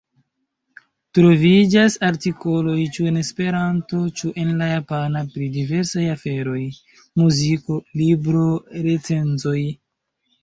Troviĝas artikoloj ĉu en Esperanto ĉu en la Japana pri diversaj aferoj: muziko, libro-recenzoj.